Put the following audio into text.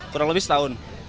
kurang lebih setahun